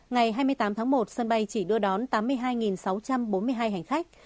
ngày hai mươi tám tháng một sân bay chỉ đưa đón tám mươi hai sáu trăm bốn mươi hai hành khách